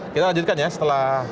kita lanjutkan ya setelah